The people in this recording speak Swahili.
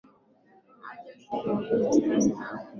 aa je hadi ushindi wa ulinzi stars nakuweza